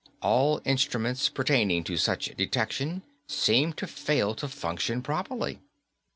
All instruments pertaining to such detection seemed to fail to function properly.